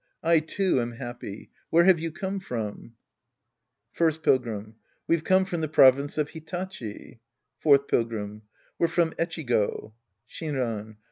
I, too, am happy. Where have you come from ? First Pilgrim. We're from the province of Hitachi. Fourth Pilgrim. We're from Echigo. Shinran.